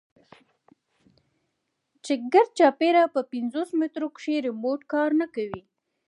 چې ګردچاپېره په پينځوس مټرو کښې ريموټ کار نه کوي.